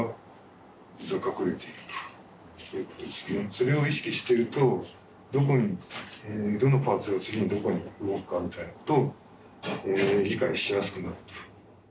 それを意識してるとどこにどのパーツが次にどこに動くかみたいなことを理解しやすくなると。